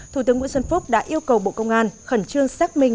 thủ tướng nguyễn xuân phúc đã yêu cầu bộ công an khẩn trương xác minh